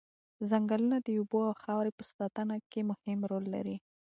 ځنګلونه د اوبو او خاورې په ساتنه کې مهم رول لري.